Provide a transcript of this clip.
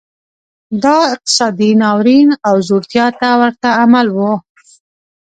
دا اقتصادي ناورین او ځوړتیا ته ورته عمل و.